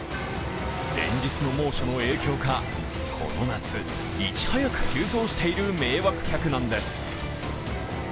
連日の猛暑の影響か、この夏、いち早く急増している迷惑客なんです。